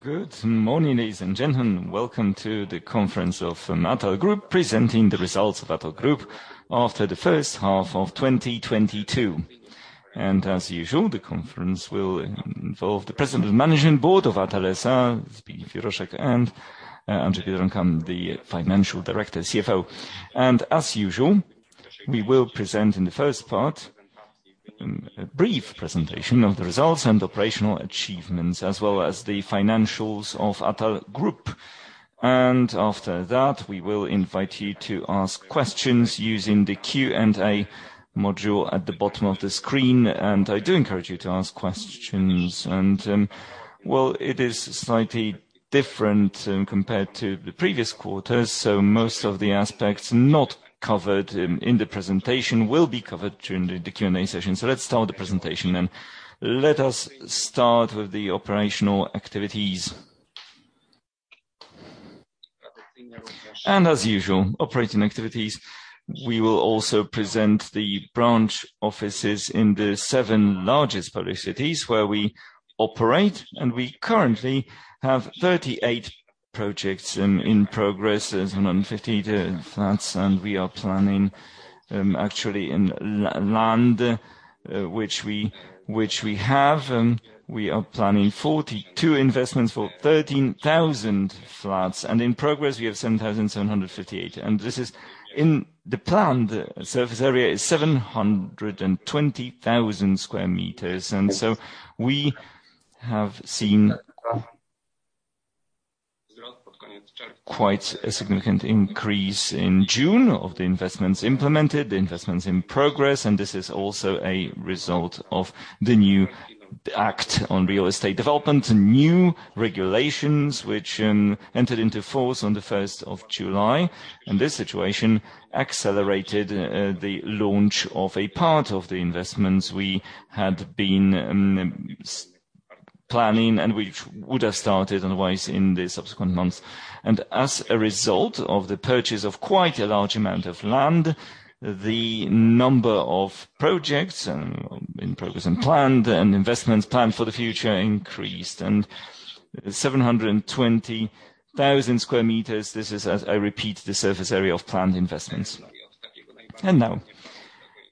Good morning, ladies and gentlemen. Welcome to the conference of ATAL Group, presenting the results of ATAL Group after the first half of 2022. As usual, the conference will involve the President of Management Board of ATAL S.A., Zbigniew Juroszek, and Andrzej Biedronka-Tetla, the Financial Director, CFO. As usual, we will present in the first part a brief presentation of the results and operational achievements, as well as the financials of ATAL Group. After that, we will invite you to ask questions using the Q&A module at the bottom of the screen. I do encourage you to ask questions. Well, it is slightly different compared to the previous quarters, so most of the aspects not covered in the presentation will be covered during the Q&A session. Let's start the presentation then. Let us start with the operational activities. As usual, operating activities, we will also present the branch offices in the seven largest Polish cities where we operate, and we currently have 38 projects in progress, 750 flats, and we are planning, actually in land which we have, we are planning 42 investments for 13,000 flats. In progress, we have 7,758. This is in the planned surface area is 720,000 sq m. We have seen quite a significant increase in June of the investments implemented, the investments in progress, and this is also a result of the new act on real estate development, new regulations which entered into force on the first of July. This situation accelerated the launch of a part of the investments we had been planning and which would have started otherwise in the subsequent months. As a result of the purchase of quite a large amount of land, the number of projects in progress and planned and investments planned for the future increased. 720,000 sq m, this is, as I repeat, the surface area of planned investments. Now,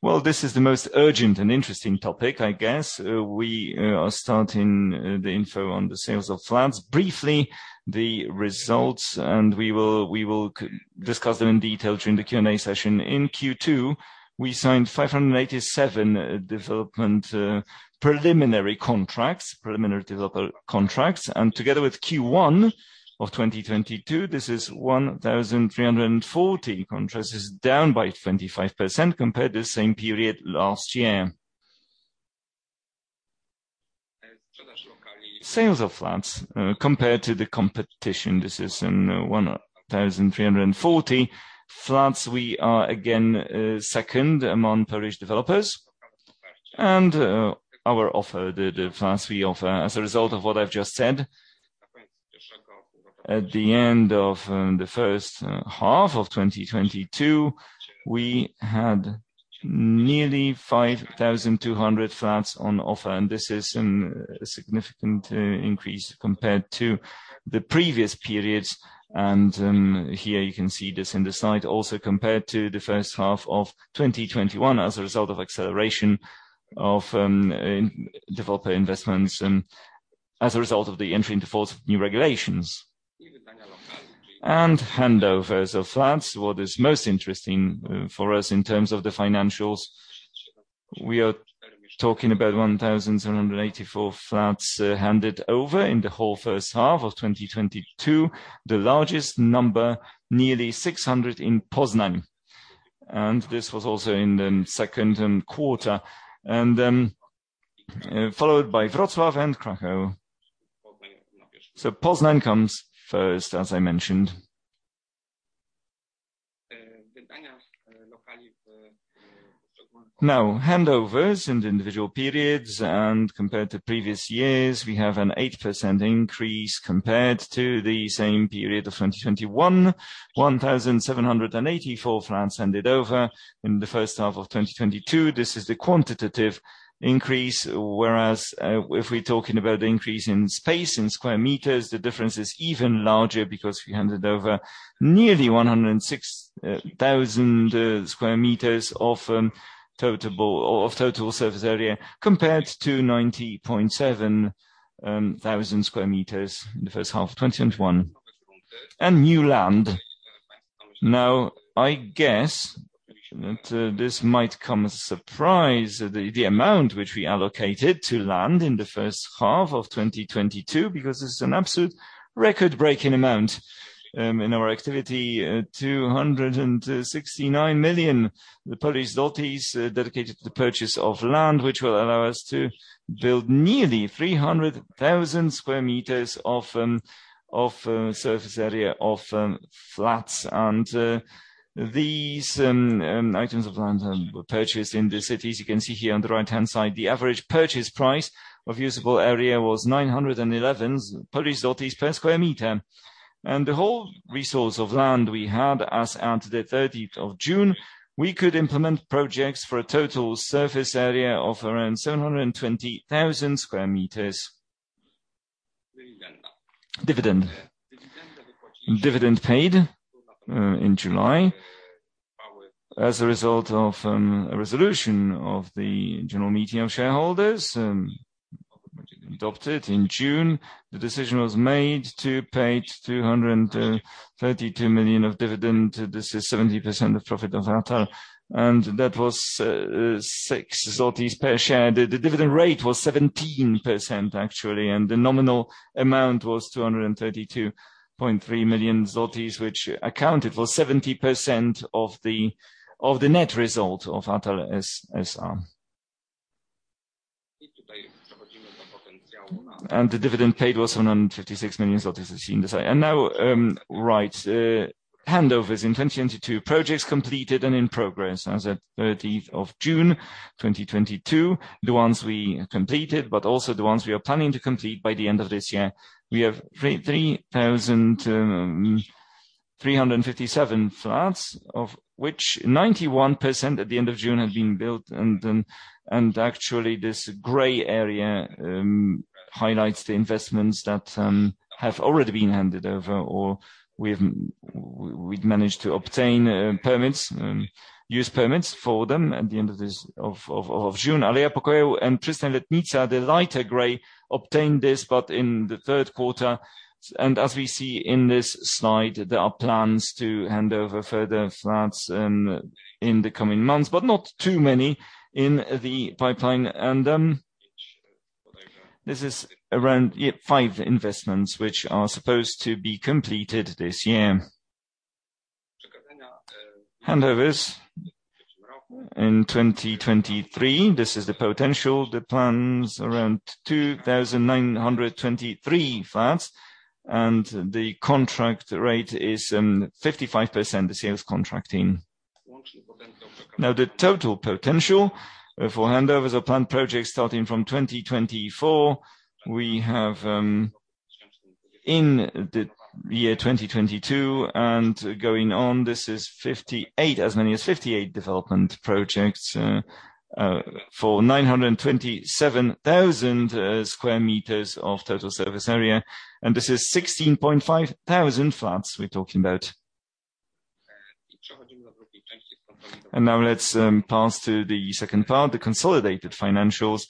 well, this is the most urgent and interesting topic, I guess. We are starting the info on the sales of flats. Briefly, the results, and we will discuss them in detail during the Q&A session. In Q2, we signed 587 development preliminary developer contracts. Together with Q1 of 2022, this is 1,340 contracts. This is down by 25% compared to the same period last year. Sales of flats compared to the competition. This is in 1,340 flats. We are again second among Polish developers. Our offer, the flats we offer, as a result of what I've just said, at the end of the first half of 2022, we had nearly 5,200 flats on offer. This is a significant increase compared to the previous periods. Here you can see this in the slide also compared to the first half of 2021 as a result of acceleration of developer investments and as a result of the entry into force of new regulations. Handovers of flats, what is most interesting, for us in terms of the financials, we are talking about 1,784 flats handed over in the whole first half of 2022. The largest number, nearly 600 in Poznań. This was also in the second quarter. Followed by Wrocław and Kraków. Poznań comes first, as I mentioned. Now, handovers in the individual periods and compared to previous years, we have an 8% increase compared to the same period of 2021. 1,784 flats handed over in the first half of 2022. This is the quantitative increase, whereas if we're talking about the increase in space in square meters, the difference is even larger because we handed over nearly 106,000 sq m of total surface area compared to 90.7 thousand square meters in the first half of 2021. New land. Now, I guess that this might come as a surprise, the amount which we allocated to land in the first half of 2022, because this is an absolute record-breaking amount in our activity. 269 million dedicated to the purchase of land, which will allow us to build nearly 300,000 sq m of surface area of flats. These items of land were purchased in the cities. You can see here on the right-hand side, the average purchase price of usable area was 911 per square meter. The whole resource of land we had as at the 13th of June, we could implement projects for a total surface area of around 720,000 sq m. Dividend paid in July as a result of a resolution of the general meeting of shareholders adopted in June. The decision was made to pay 232 million of dividend. This is 70% of profit of ATAL. That was 6 zlotys per share. The dividend rate was 17% actually, and the nominal amount was 232.3 million zlotys, which accounted for 70% of the net result of ATAL S.A. The dividend paid was 756 million. Now, handovers in 2022. Projects completed and in progress as at June 13th, 2022. The ones we completed, but also the ones we are planning to complete by the end of this year. We have 3,357 flats, of which 91% at the end of June had been built and actually this gray area highlights the investments that have already been handed over or we've managed to obtain permits, use permits for them at the end of this June. Aleja Pokoju and Przystań Letnica, the lighter gray, obtained this but in the third quarter. As we see in this slide, there are plans to hand over further flats in the coming months, but not too many in the pipeline. This is around five investments which are supposed to be completed this year. Handovers in 2023, this is the potential. The plan's around 2,923 flats and the contract rate is 55% the sales contracting. Now, the total potential for handovers of planned projects starting from 2024, we have in the year 2022 and going on, this is 58 development projects for 927,000 sq m of total surface area. This is 16,500 flats we're talking about. Now let's pass to the second part, the consolidated financials.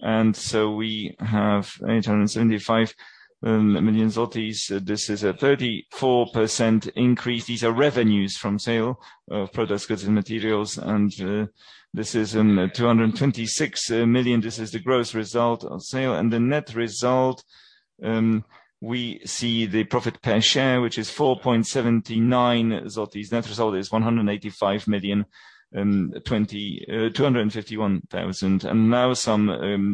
We have 875 million zlotys. This is a 34% increase. These are revenues from sale of products, goods and materials. This is 226 million. This is the gross result of sale. The net result, we see the profit per share, which is 4.79. Net result is 185.251 million. Now some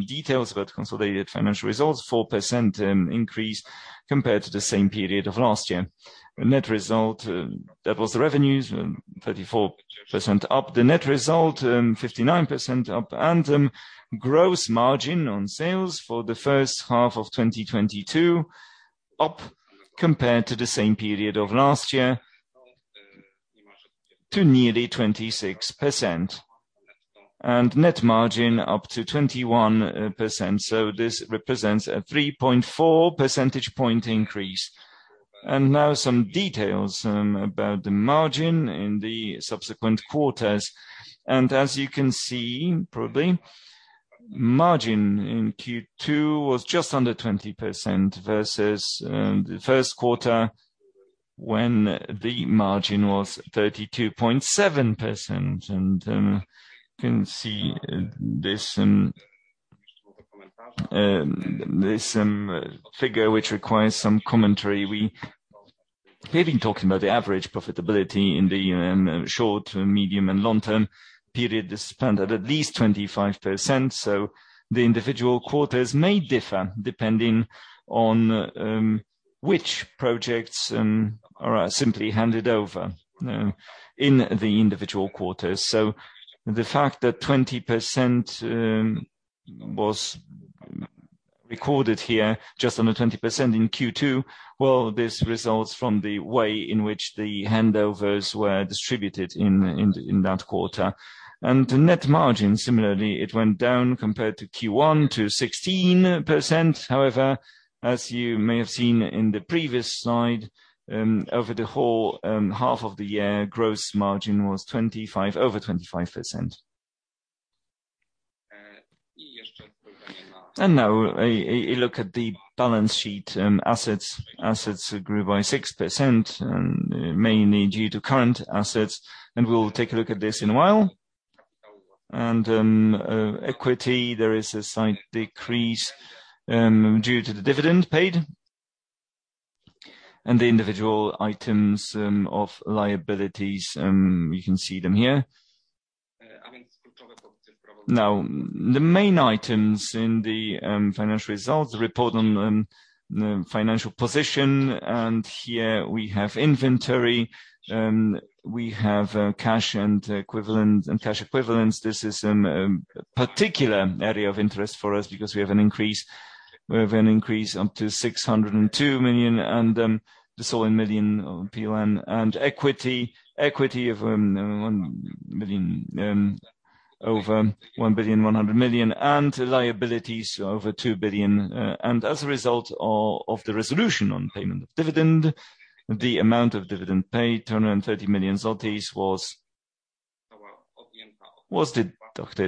details about consolidated financial results. 4% increase compared to the same period of last year. Net result, that was the revenues, 34% up. The net result 59% up. Gross margin on sales for the first half of 2022 up compared to the same period of last year to nearly 26%. Net margin up to 21%. This represents a 3.4 percentage point increase. Now some details about the margin in the subsequent quarters. As you can see probably, margin in Q2 was just under 20% versus the first quarter when the margin was 32.7%. You can see this figure which requires some commentary. We've been talking about the average profitability in the short, medium and long-term period is planned at least 25%. The individual quarters may differ depending on which projects are simply handed over in the individual quarters. The fact that 20% was recorded here, just under 20% in Q2, well, this results from the way in which the handovers were distributed in that quarter. The net margin, similarly, it went down compared to Q1 to 16%. However, as you may have seen in the previous slide, over the whole half of the year, gross margin was over 25%. Now, a look at the balance sheet, assets. Assets grew by 6%, mainly due to current assets, and we'll take a look at this in a while. Equity, there is a slight decrease due to the dividend paid. The individual items of liabilities, you can see them here. Now, the main items in the financial results report on the financial position, and here we have inventory, we have cash and equivalents. This is a particular area of interest for us because we have an increase up to 602 million, and this all in million PLN. Equity of over 1.1 billion and liabilities over 2 billion. As a result of the resolution on payment of dividend, the amount of dividend paid, 230 million zlotys, was deducted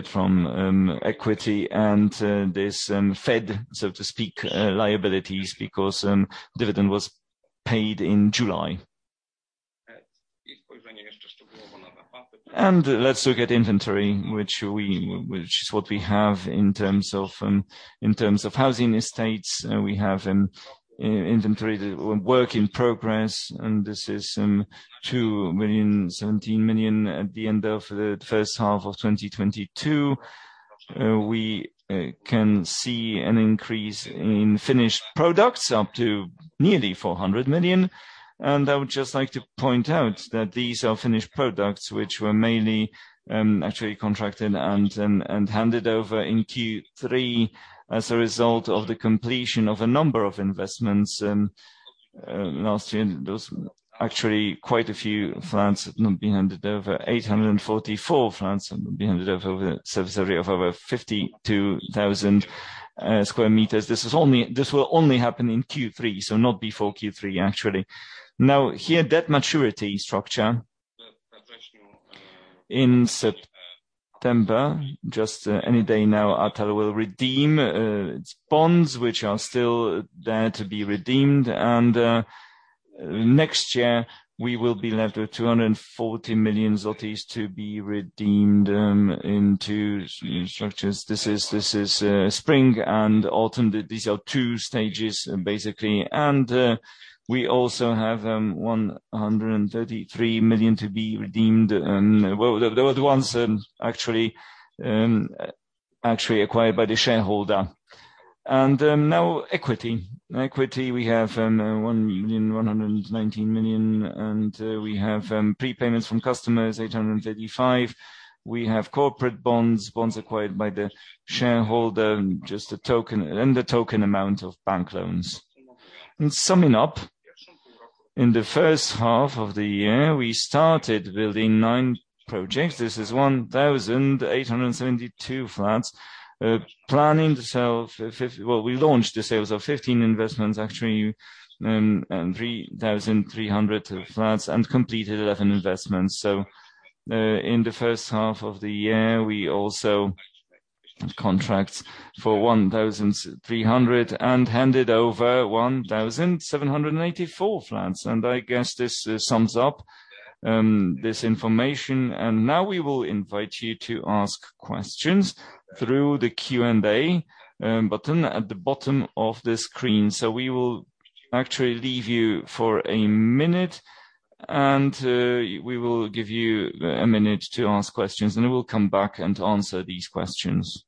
from equity, and this fed, so to speak, liabilities because dividend was paid in July. Let's look at inventory, which is what we have in terms of housing estates. We have inventory work in progress, and this is 2,017 million at the end of the first half of 2022. We can see an increase in finished products up to nearly 400 million. I would just like to point out that these are finished products which were mainly, actually contracted and handed over in Q3 as a result of the completion of a number of investments, last year. Those actually quite a few flats have not been handed over. 844 flats have not been handed over, surface area of over 52,000 sq m. This will only happen in Q3, so not before Q3, actually. Now, here, debt maturity structure. In September, just any day now, ATAL will redeem its bonds, which are still there to be redeemed. Next year, we will be left with 240 million zlotys to be redeemed in two structures. This is spring and autumn. These are two stages, basically. We also have 133 million to be redeemed. Those ones actually acquired by the shareholder. Now equity. Equity, we have 119 million, and we have prepayments from customers, 835. We have corporate bonds acquired by the shareholder, and just a token amount of bank loans. Summing up, in the first half of the year, we started building nine projects. This is 1,872 flats. We launched the sales of 15 investments, actually, and 3,300 flats, and completed 11 investments. In the first half of the year, we also contracts for 1,300 and handed over 1,784 flats. I guess this sums up this information. Now we will invite you to ask questions through the Q&A button at the bottom of the screen. We will actually leave you for a minute and we will give you a minute to ask questions, and we'll come back and answer these questions.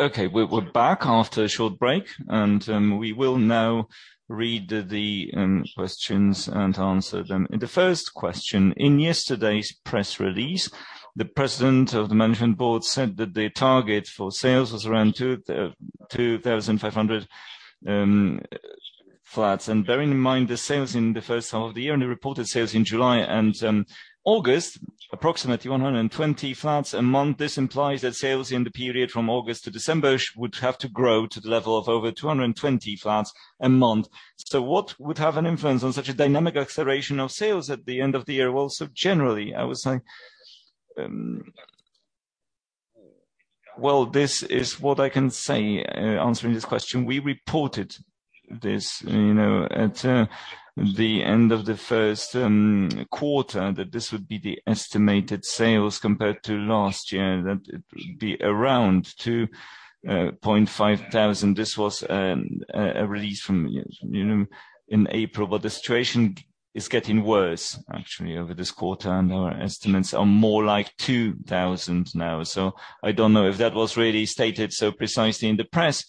Okay. We're back after a short break, and we will now read the questions and answer them. The first question. In yesterday's press release, the President of the Management Board said that the target for sales was around 2,500 flats. Bearing in mind the sales in the first half of the year and the reported sales in July and August, approximately 120 flats a month, this implies that sales in the period from August to December would have to grow to the level of over 220 flats a month. What would have an influence on such a dynamic acceleration of sales at the end of the year? Well, generally, I would say. Well, this is what I can say answering this question. We reported this, you know, at the end of the first quarter, that this would be the estimated sales compared to last year, that it would be around 2,500. This was a release from years, you know, in April. The situation is getting worse actually over this quarter, and our estimates are more like 2,000 now. I don't know if that was really stated so precisely in the press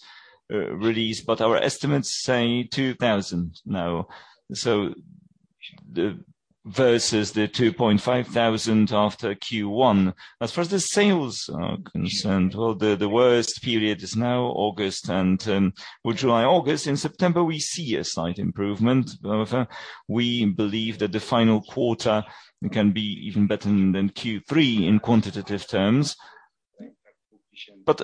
release, but our estimates say 2,000 now. Versus the 2,500 after Q1. As far as the sales are concerned, the worst period is now, July, August. In September, we see a slight improvement. However, we believe that the final quarter can be even better than Q3 in quantitative terms.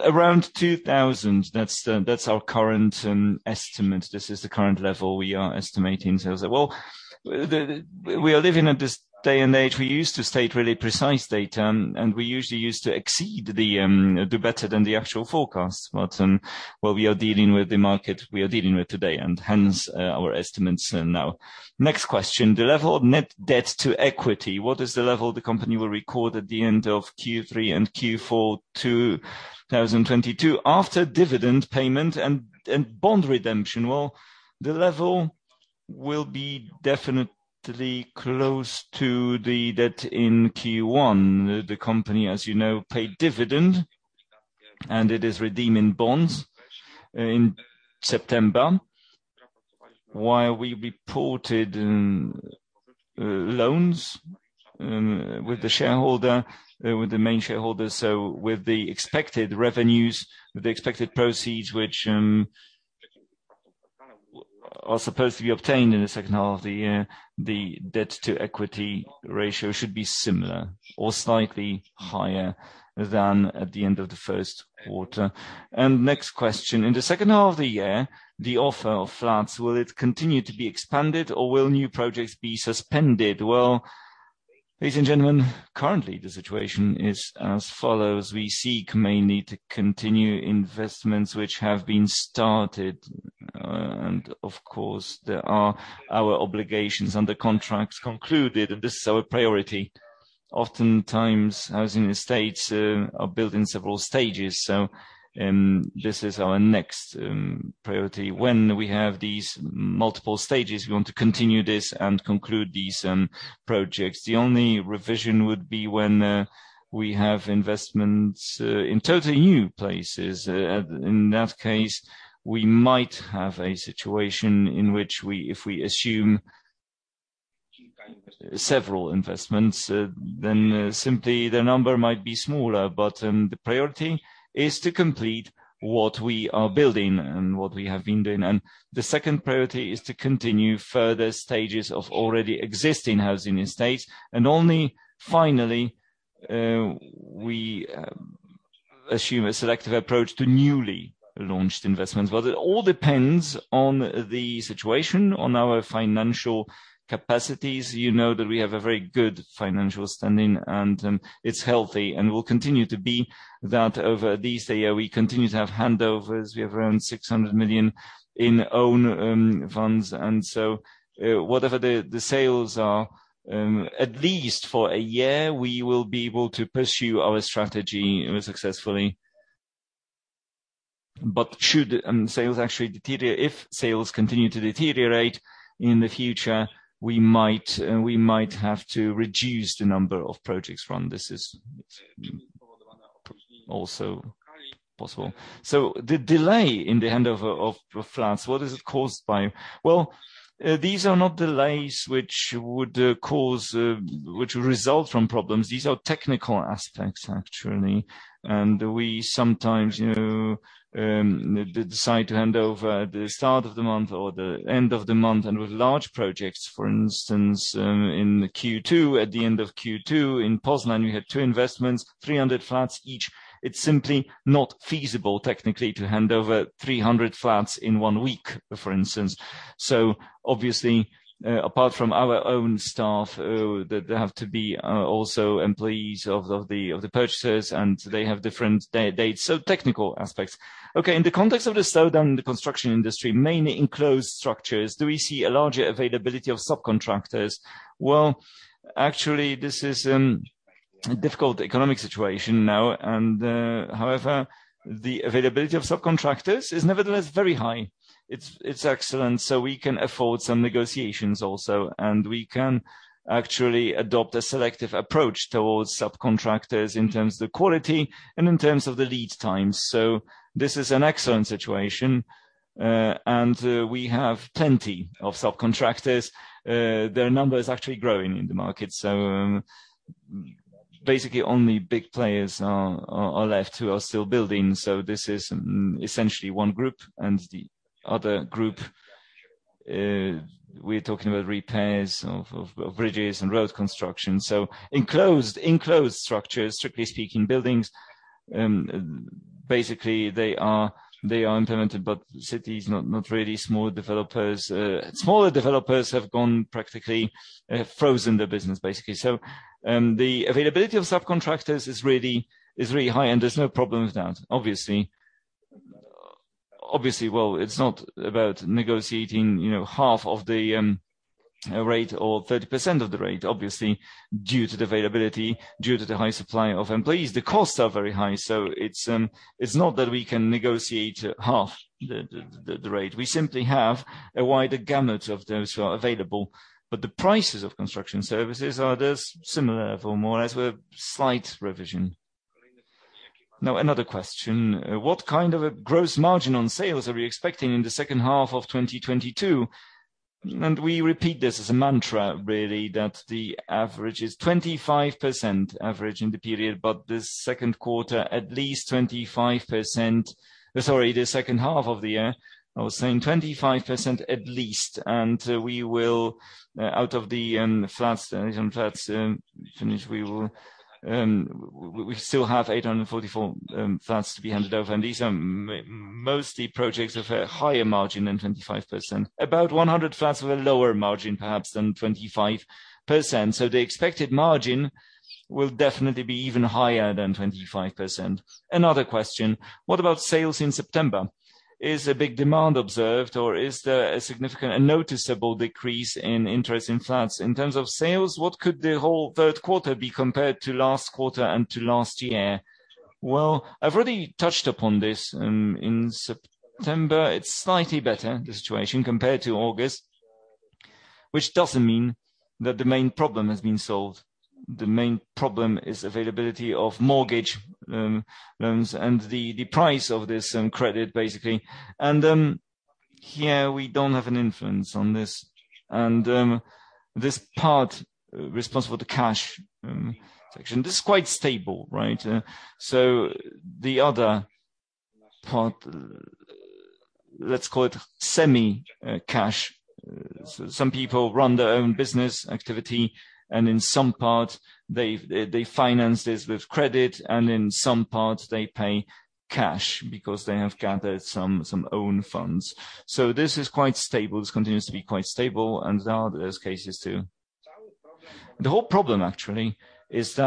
Around 2,000, that's our current estimate. This is the current level we are estimating sales at. We are living at this day and age, we used to state really precise data, and we usually used to do better than the actual forecast. We are dealing with the market we are dealing with today, and hence, our estimates are now. Next question. The level of net debt to equity, what is the level the company will record at the end of Q3 and Q4 2022 after dividend payment and bond redemption? Well, the level will be definitely close to the debt in Q1. The company, as you know, paid dividend, and it is redeeming bonds in September. While we reported loans with the main shareholder, so with the expected revenues, with the expected proceeds, which are supposed to be obtained in the second half of the year, the debt-to-equity ratio should be similar or slightly higher than at the end of the first quarter. Next question. In the second half of the year, the offer of flats, will it continue to be expanded or will new projects be suspended? Well, ladies and gentlemen, currently the situation is as follows. We seek mainly to continue investments which have been started. Of course, there are our obligations under contracts concluded, and this is our priority. Oftentimes, housing estates are built in several stages, this is our next priority. When we have these multiple stages, we want to continue this and conclude these projects. The only revision would be when we have investments in totally new places. In that case, we might have a situation in which we, if we assume several investments, then simply the number might be smaller. The priority is to complete what we are building and what we have been doing. The second priority is to continue further stages of already existing housing estates. Only finally, we assume a selective approach to newly launched investments. It all depends on the situation, on our financial capacities. You know that we have a very good financial standing, and it's healthy and will continue to be that over this year. We continue to have handovers. We have around 600 million in own funds. Whatever the sales are, at least for a year, we will be able to pursue our strategy successfully. Should sales actually deteriorate, if sales continue to deteriorate in the future, we might have to reduce the number of projects from this. This is also possible. The delay in the handover of flats, what is it caused by? Well, these are not delays which will result from problems. These are technical aspects actually. We sometimes, you know, decide to hand over at the start of the month or the end of the month. With large projects, for instance, in Q2, at the end of Q2 in Poznań, we had two investments, 300 flats each. It's simply not feasible technically to hand over 300 flats in one week, for instance. Obviously, apart from our own staff, there have to be also employees of the purchasers, and they have different dates. Technical aspects. Okay, in the context of the slowdown in the construction industry, mainly in closed structures, do we see a larger availability of subcontractors? Well, actually, this is a difficult economic situation now. However, the availability of subcontractors is nevertheless very high. It's excellent, so we can afford some negotiations also. We can actually adopt a selective approach toward subcontractors in terms of the quality and in terms of the lead times. This is an excellent situation. We have plenty of subcontractors. Their number is actually growing in the market. Basically only big players are left who are still building. This is essentially one group and the other group, we're talking about repairs of bridges and road construction. Enclosed structures, strictly speaking, buildings, basically they are implemented, but cities not really small developers. Smaller developers have practically frozen their business basically. The availability of subcontractors is really high, and there's no problem with that. Obviously, well, it's not about negotiating, you know, half of the rate or 30% of the rate, obviously, due to the availability, due to the high supply of employees. The costs are very high, it's not that we can negotiate half the rate. We simply have a wider gamut of those who are available. The prices of construction services are just similar for more or less a slight revision. Now another question. What kind of a gross margin on sales are we expecting in the second half of 2022? We repeat this as a mantra really that the average is 25% average in the period, but this second quarter, at least 25%. Sorry, the second half of the year, I was saying 25% at least. We will out of the recent flats finished, we still have 844 flats to be handed over. These are mostly projects of a higher margin than 25%. About 100 flats with a lower margin, perhaps than 25%. The expected margin will definitely be even higher than 25%. Another question: What about sales in September? Is a big demand observed or is there a noticeable decrease in interest in flats? In terms of sales, what could the whole third quarter be compared to last quarter and to last year? Well, I've already touched upon this. In September, it's slightly better, the situation, compared to August, which doesn't mean that the main problem has been solved. The main problem is availability of mortgage loans and the price of this credit basically. Here we don't have an influence on this. This part responsible to cash section, this is quite stable, right? The other part, let's call it semi-cash. Some people run their own business activity, and in some part they finance this with credit, and in some parts they pay cash because they have gathered some own funds. This is quite stable. This continues to be quite stable and there are those cases too. The whole problem actually is.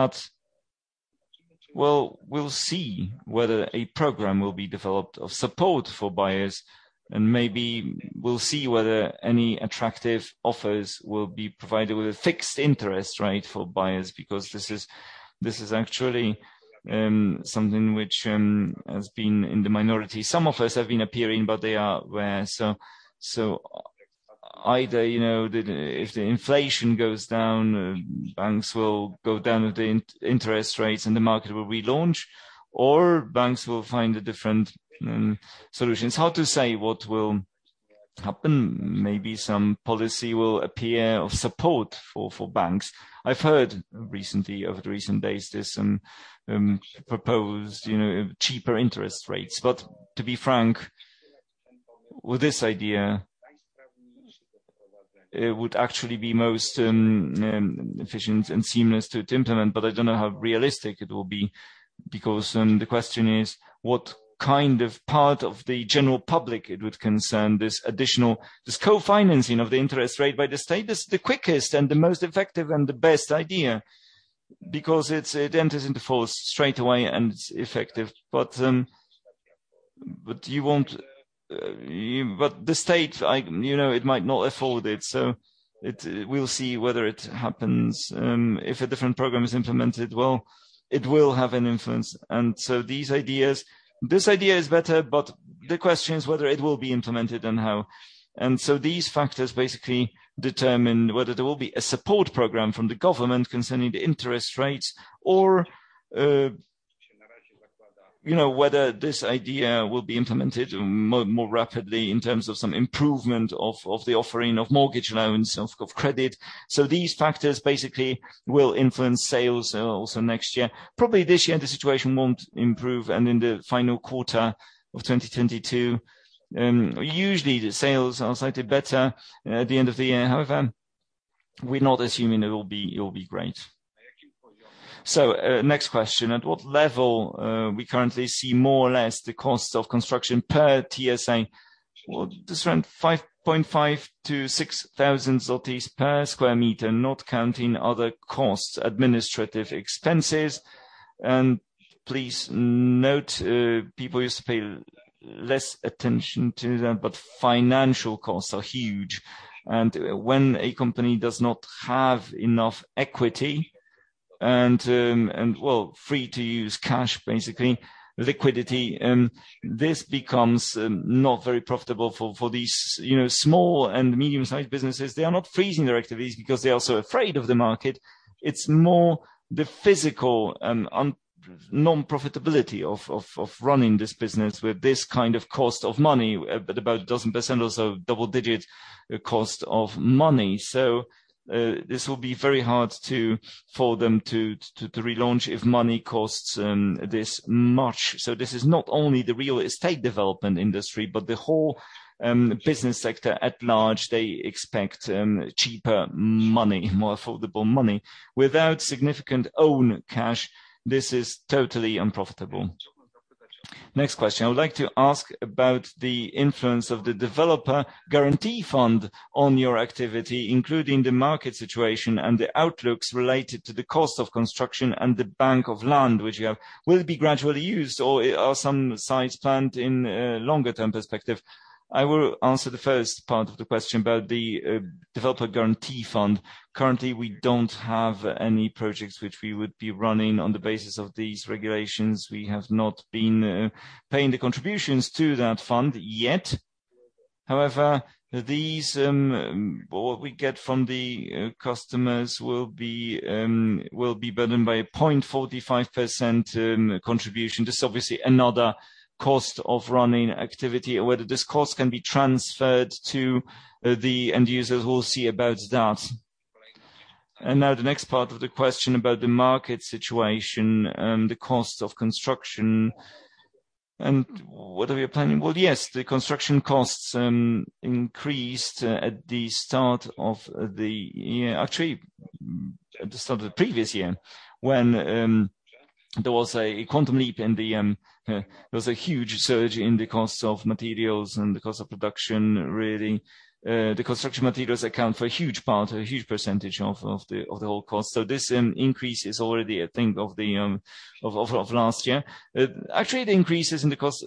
Well, we'll see whether a program will be developed of support for buyers, and maybe we'll see whether any attractive offers will be provided with a fixed interest rate for buyers, because this is actually something which has been in the minority. Some offers have been appearing, but they are rare. Either you know if the inflation goes down, banks will go down with the interest rates and the market will relaunch, or banks will find a different solutions. Hard to say what will happen. Maybe some policy will appear of support for banks. I've heard recently, over recent days, there's some proposed you know cheaper interest rates. To be frank, with this idea, it would actually be most efficient and seamless to implement, but I don't know how realistic it will be. Because the question is what kind of part of the general public it would concern. This co-financing of the interest rate by the state is the quickest and the most effective and the best idea because it enters into force straight away and it's effective. The state, you know, it might not afford it. We'll see whether it happens. If a different program is implemented well, it will have an influence. This idea is better, but the question is whether it will be implemented and how. These factors basically determine whether there will be a support program from the government concerning the interest rates or, you know, whether this idea will be implemented more rapidly in terms of some improvement of the offering of mortgage loans of credit. These factors basically will influence sales also next year. Probably this year the situation won't improve, and in the final quarter of 2022, usually the sales are slightly better at the end of the year. However, we're not assuming it will be great. Next question: At what level we currently see more or less the costs of construction per TSA? Well, that's around 5,500-6,000 zlotys per square meter, not counting other costs, administrative expenses. Please note, people used to pay less attention to that, but financial costs are huge. When a company does not have enough equity and well, free to use cash, basically liquidity, this becomes not very profitable for these, you know, small and medium-sized businesses. They are not freezing their activities because they are so afraid of the market. It's more the physical and unprofitability of running this business with this kind of cost of money, at about 12% or so, double-digit cost of money. This will be very hard for them to relaunch if money costs this much. This is not only the real estate development industry, but the whole business sector at large. They expect cheaper money, more affordable money. Without significant own cash, this is totally unprofitable. Next question: I would like to ask about the influence of the Developer Guarantee Fund on your activity, including the market situation and the outlooks related to the cost of construction and the land bank which you have. Will it be gradually used or are some sites planned in a longer term perspective? I will answer the first part of the question about the Developer Guarantee Fund. Currently, we don't have any projects which we would be running on the basis of these regulations. We have not been paying the contributions to that fund yet. However, these what we get from the customers will be burdened by a 0.45% contribution. This is obviously another cost of running activity. Whether this cost can be transferred to the end users, we'll see about that. Now the next part of the question about the market situation and the cost of construction and what are we planning. Well, yes, the construction costs increased at the start of the year. Actually, at the start of the previous year, when there was a huge surge in the cost of materials and the cost of production, really. The construction materials account for a huge part, a huge percentage of the whole cost. This increase is already a thing of the last year. Actually the increases in the cost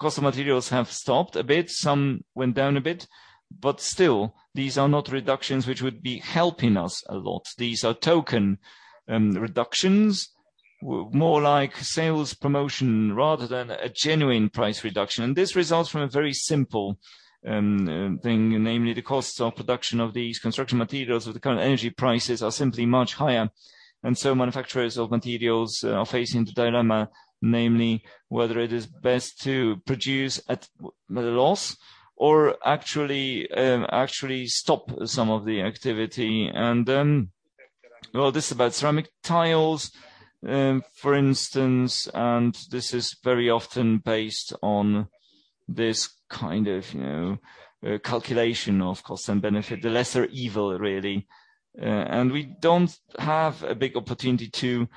of materials have stopped a bit. Some went down a bit. Still, these are not reductions which would be helping us a lot. These are token reductions. More like sales promotion rather than a genuine price reduction. This results from a very simple thing, namely the costs of production of these construction materials with the current energy prices are simply much higher. Manufacturers of materials are facing the dilemma, namely whether it is best to produce at a loss or actually stop some of the activity. Well, this is about ceramic tiles for instance. This is very often based on this kind of, you know, calculation of cost and benefit, the lesser evil, really. We don't have a big opportunity to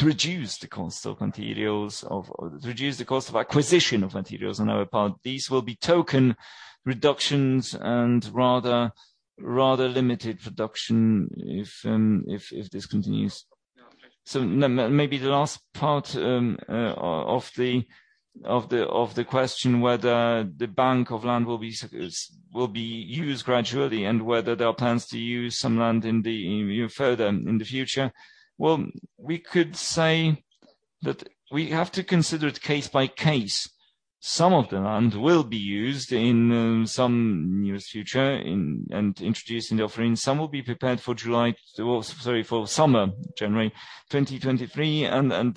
reduce the cost of acquisition of materials on our part. These will be token reductions and rather limited reduction if this continues. Maybe the last part of the question whether the land bank will be used gradually and whether there are plans to use some land even further in the future. Well, we could say that we have to consider it case by case. Some of the land will be used in some near future and introduced in the offering. Some will be prepared for July, or sorry, for summer, January 2023. And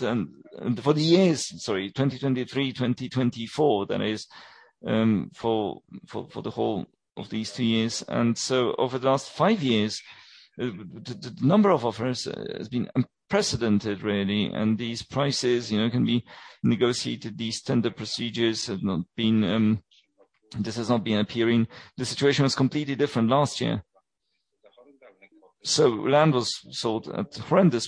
for the years. Sorry, 2023, 2024, that is, for the whole of these two years. Over the last five years, the number of offers has been unprecedented, really, and these prices, you know, can be negotiated. These tender procedures have not been. This has not been appearing. The situation was completely different last year. Land was sold at horrendous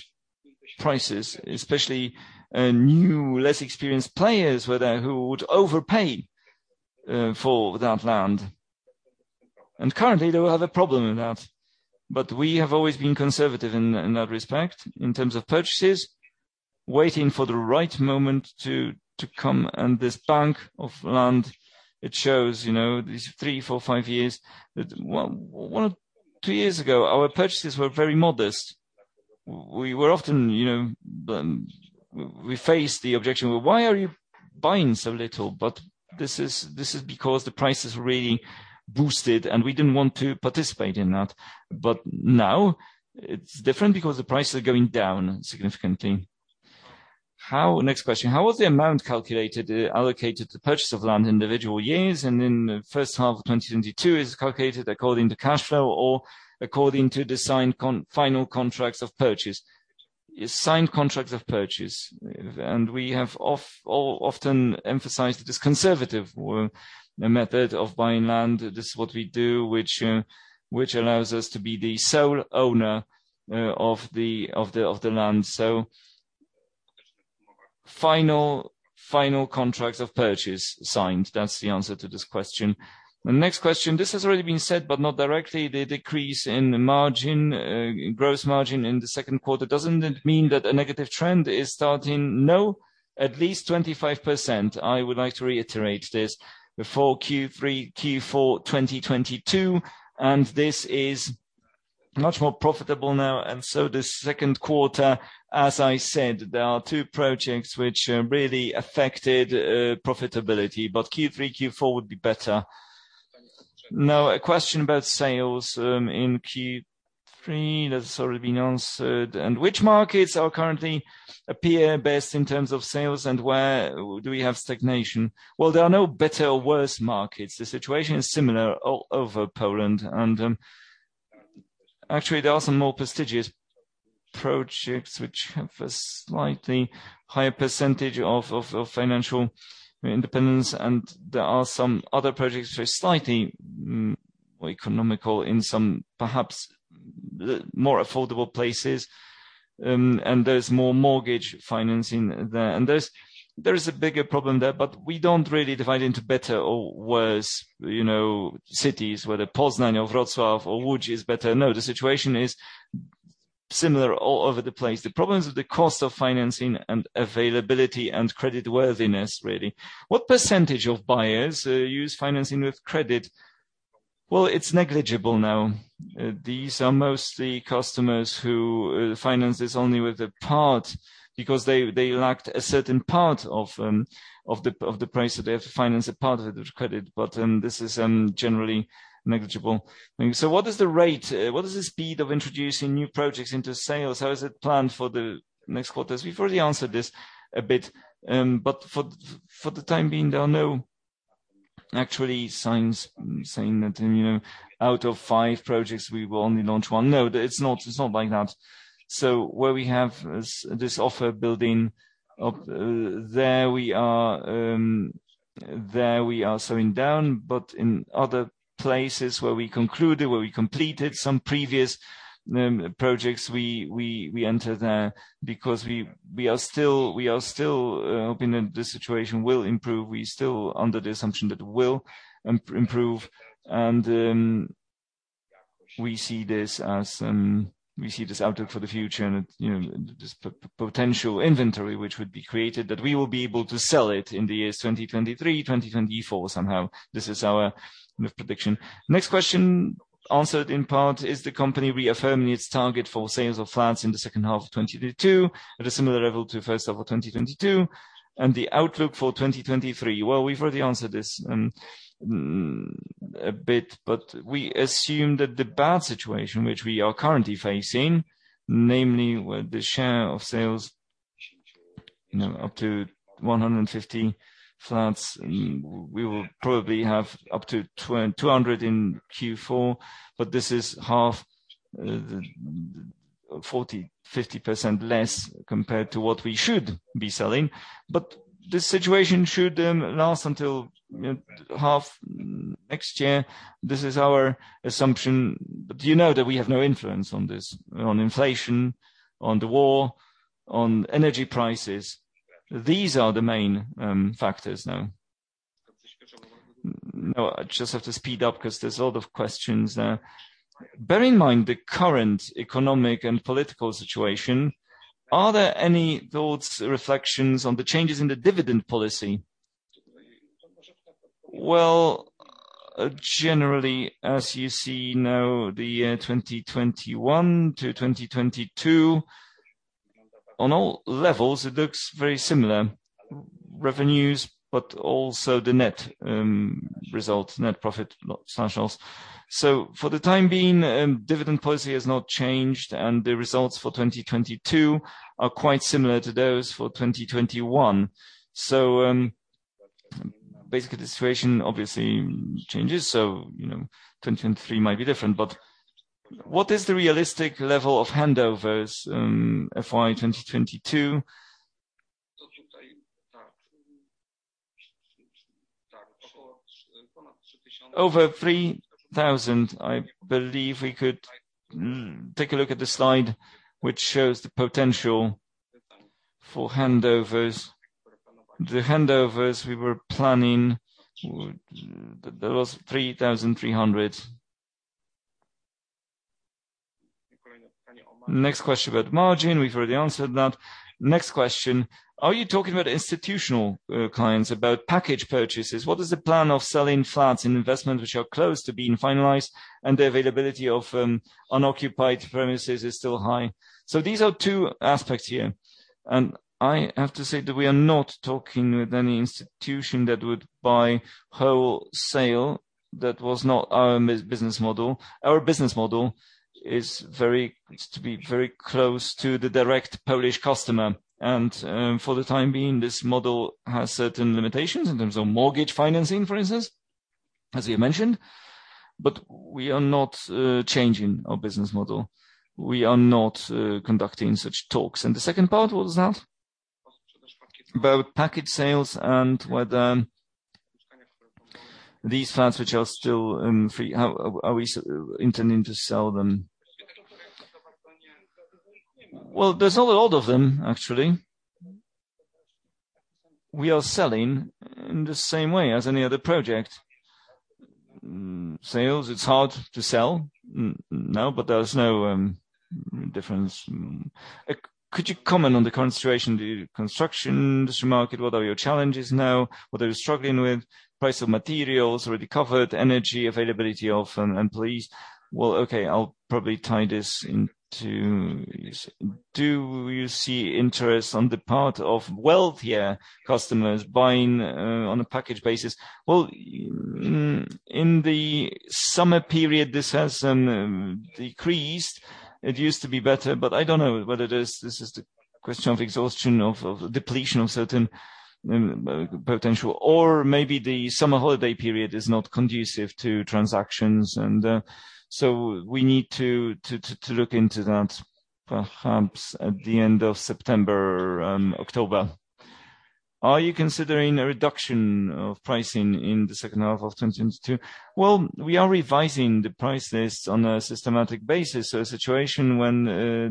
prices, especially new, less experienced players were there who would overpay for that land. Currently, they will have a problem in that. We have always been conservative in that respect, in terms of purchases, waiting for the right moment to come. This land bank it shows, you know, these three, four, five years. Well, one or two years ago, our purchases were very modest. We were often, you know, we faced the objection, "Why are you buying so little?" This is because the price is really boosted, and we didn't want to participate in that. Now it's different because the price is going down significantly. Next question. How was the amount calculated, allocated to purchase of land individual years and in the first half of 2022, is calculated according to cash flow or according to the signed final contracts of purchase? Signed contracts of purchase. We have often emphasized it is conservative method of buying land. This is what we do, which allows us to be the sole owner of the land. Final contract of purchase signed. That's the answer to this question. The next question, this has already been said, but not directly. The decrease in gross margin in the second quarter, doesn't it mean that a negative trend is starting? No. At least 25%, I would like to reiterate this, before Q3, Q4, 2022, and this is much more profitable now. This second quarter, as I said, there are two projects which really affected profitability. Q3, Q4 would be better. Now, a question about sales in Q3 that's already been answered. Which markets are currently appear best in terms of sales, and where do we have stagnation? Well, there are no better or worse markets. The situation is similar all over Poland. Actually, there are some more prestigious projects which have a slightly higher percentage of financial independence. There are some other projects which are slightly more economical in some perhaps more affordable places, and there's more mortgage financing there. There is a bigger problem there, but we don't really divide into better or worse, you know, cities, whether Poznań or Wrocław or Łódź is better. No, the situation is similar all over the place. The problems with the cost of financing and availability and credit worthiness, really. What percentage of buyers use financing with credit? Well, it's negligible now. These are mostly customers who finances only with a part because they lacked a certain part of the price, so they have to finance a part of it with credit. This is generally negligible. What is the rate? What is the speed of introducing new projects into sales? How is it planned for the next quarters? We've already answered this a bit, but for the time being, there are no actual signs saying that, you know, out of five projects, we will only launch one. No, it's not like that. Where we have this offer building up, there we are slowing down. In other places where we concluded, where we completed some previous projects, we enter there because we are still hoping that this situation will improve. We still under the assumption that it will improve. We see this as this outlook for the future and, you know, this potential inventory, which would be created, that we will be able to sell it in the years 2023, 2024, somehow. This is our prediction. Next question, answered in part, is the company reaffirming its target for sales of flats in the second half of 2022 at a similar level to first half of 2022 and the outlook for 2023? Well, we've already answered this a bit, but we assume that the bad situation which we are currently facing, namely with the share of sales, you know, up to 150 flats, and we will probably have up to 200 in Q4, but this is half, 40%-50% less compared to what we should be selling. This situation should last until, you know, half next year. This is our assumption. You know that we have no influence on this, on inflation, on the war, on energy prices. These are the main factors now. No, I just have to speed up because there's a lot of questions. Bear in mind the current economic and political situation. Are there any thoughts, reflections on the changes in the dividend policy? Well, generally, as you see now, the year 2021 to 2022, on all levels it looks very similar. Revenues, but also the net result, net profit not specials. For the time being, dividend policy has not changed, and the results for 2022 are quite similar to those for 2021. Basically the situation obviously changes, you know, 2023 might be different. What is the realistic level of handovers, FY 2022? Over 3,000, I believe we could take a look at the slide which shows the potential for handovers. The handovers we were planning there was 3,300. Next question about margin. We've already answered that. Next question. Are you talking about institutional clients, about package purchases? What is the plan of selling flats in investment which are close to being finalized and the availability of unoccupied premises is still high? These are two aspects here, and I have to say that we are not talking with any institution that would buy wholesale. That was not our business model. Our business model is to be very close to the direct Polish customer. For the time being, this model has certain limitations in terms of mortgage financing, for instance, as you mentioned, but we are not changing our business model. We are not conducting such talks. The second part was that? About package sales and whether these flats which are still free, are we intending to sell them? Well, there's not a lot of them, actually. We are selling in the same way as any other project. Sales, it's hard to sell now, but there's no difference. Could you comment on the current situation, the construction industry market, what are your challenges now, what are you struggling with, price of materials already covered, energy availability of employees? Do you see interest on the part of wealthier customers buying on a package basis? Well, in the summer period, this has decreased. It used to be better, but I don't know whether this is the question of exhaustion or depletion of certain potential, or maybe the summer holiday period is not conducive to transactions and so we need to look into that perhaps at the end of September or October. Are you considering a reduction of pricing in the second half of 2022? Well, we are revising the price list on a systematic basis. A situation when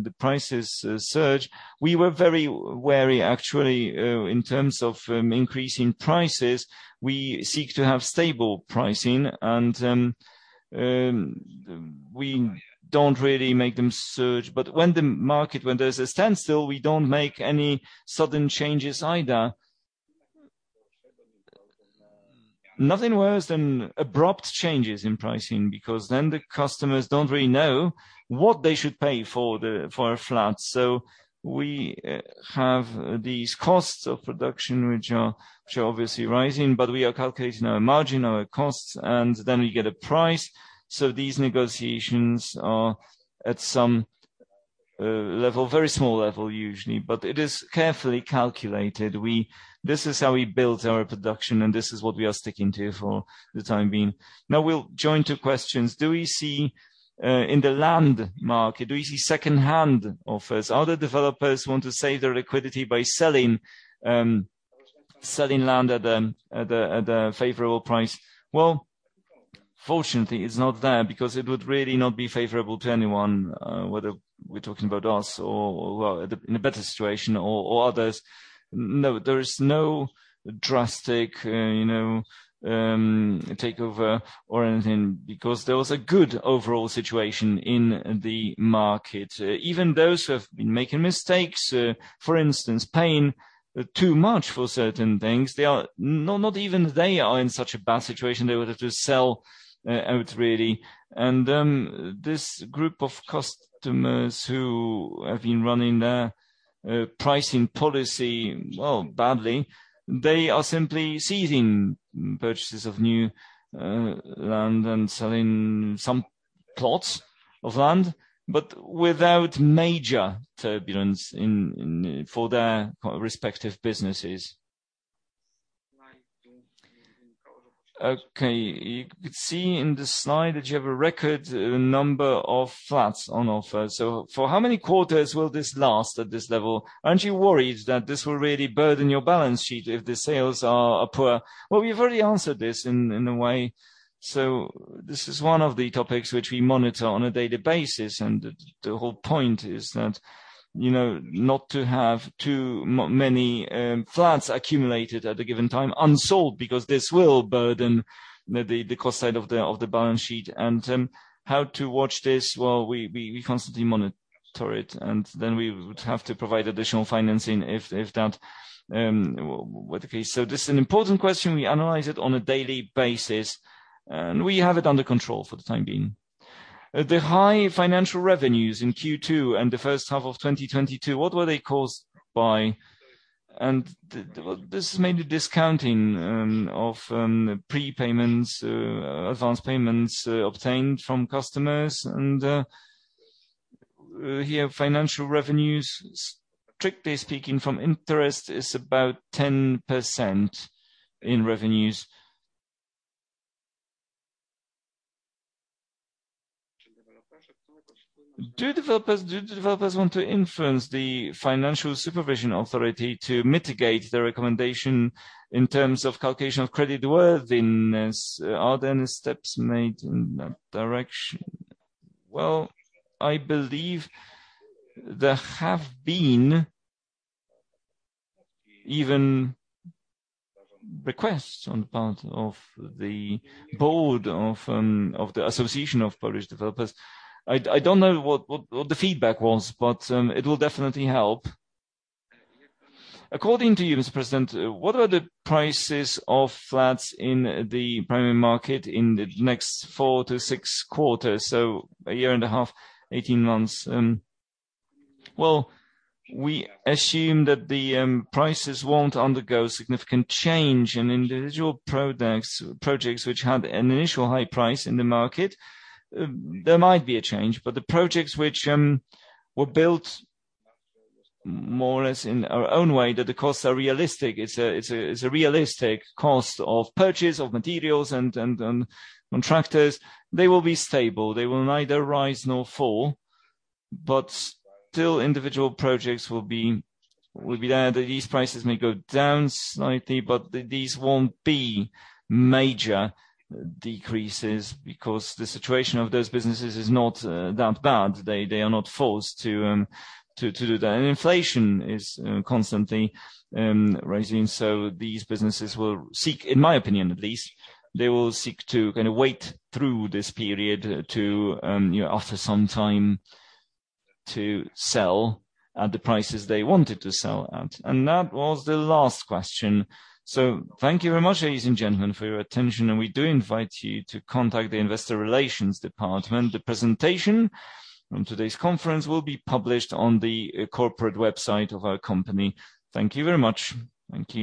the prices surge, we were very wary actually in terms of increasing prices. We seek to have stable pricing and we don't really make them surge. When there's a standstill, we don't make any sudden changes either. Nothing worse than abrupt changes in pricing, because then the customers don't really know what they should pay for a flat. We have these costs of production which are obviously rising, but we are calculating our margin, our costs, and then we get a price. These negotiations are at some level, very small level usually, but it is carefully calculated. This is how we built our position and this is what we are sticking to for the time being. Now we'll join two questions. Do we see, in the land market, do we see secondhand offers? Other developers want to save their liquidity by selling land at a favorable price. Well, fortunately, it's not that because it would really not be favorable to anyone, whether we're talking about us or, well, in a better situation or others. No, there is no drastic, you know, takeover or anything because there was a good overall situation in the market. Even those who have been making mistakes, for instance, paying too much for certain things, they're not even in such a bad situation they would have to sell, but really. This group of customers who have been running their pricing policy, well, badly, they are simply ceasing purchases of new land and selling some plots of land, but without major turbulence in their respective businesses. Okay. You could see in the slide that you have a record number of flats on offer. For how many quarters will this last at this level? Aren't you worried that this will really burden your balance sheet if the sales are poor? Well, we've already answered this in a way. This is one of the topics which we monitor on a daily basis, and the whole point is that, you know, not to have too many flats accumulated at a given time unsold, because this will burden the cost side of the balance sheet. How to watch this, well, we constantly monitor it, and then we would have to provide additional financing if that were the case. This is an important question, we analyze it on a daily basis, and we have it under control for the time being. The high financial revenues in Q2 and the first half of 2022, what were they caused by? This is mainly discounting of prepayments, advanced payments, obtained from customers and here, financial revenues, strictly speaking from interest, is about 10% in revenues. Do developers want to influence the Financial Supervision Authority to mitigate the recommendation in terms of calculation of creditworthiness? Are there any steps made in that direction? Well, I believe there have been even requests on the part of the board of the Association of Polish Developers. I don't know what the feedback was, but it will definitely help. According to you, Mr. President, what are the prices of flats in the primary market in the next four to six quarters, so a year and a half, 18 months? Well, we assume that the prices won't undergo significant change. In individual projects which had an initial high price in the market, there might be a change. The projects which were built more or less in our own way, that the costs are realistic. It's a realistic cost of purchase, of materials and contractors. They will be stable. They will neither rise nor fall. Still individual projects will be there. These prices may go down slightly, but these won't be major decreases because the situation of those businesses is not that bad. They are not forced to do that. Inflation is constantly rising, so these businesses will seek, in my opinion at least, they will seek to kinda wait through this period to, you know, after some time to sell at the prices they wanted to sell at. That was the last question. Thank you very much, ladies and gentlemen, for your attention, and we do invite you to contact the investor relations department. The presentation from today's conference will be published on the corporate website of our company. Thank you very much. Thank you.